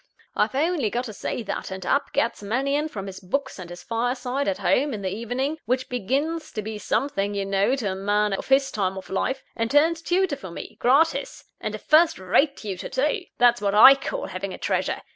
I've only got to say that; and up gets Mannion from his books and his fireside at home, in the evening which begins to be something, you know, to a man of his time of life and turns tutor for me, gratis; and a first rate tutor, too! That's what I call having a treasure!